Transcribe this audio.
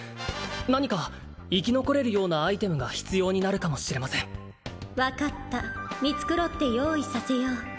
何か生き残れるようなアイテムが必要になるかもしれません分かった見繕って用意させよう